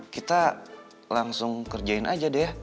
kita langsung kerjain aja deh ya